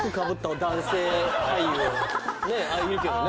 ねえいるけどね